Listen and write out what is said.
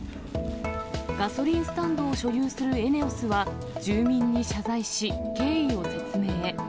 ガソリンスタンドを所有するＥＮＥＯＳは、住民に謝罪し、経緯を説明。